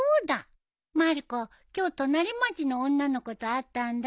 まる子今日隣町の女の子と会ったんだ。